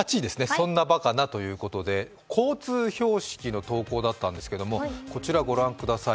そんなバカなということで、交通標識の投稿だったんですけれどもこちらご覧ください。